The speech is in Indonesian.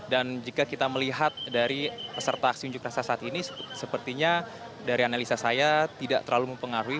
dan jika kita melihat dari peserta aksi unjuk rasa saat ini sepertinya dari analisa saya tidak terlalu mempengaruhi